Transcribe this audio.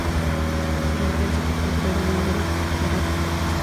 Su residencia fue punto de reunión de literatos y artistas.